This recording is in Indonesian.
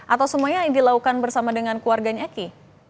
atau semuanya yang dilakukan bersama dengan keluarganya eki